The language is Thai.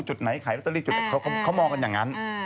จุดไหนขายลอตเตอรี่จุดไหนเขามองกันอย่างนั้น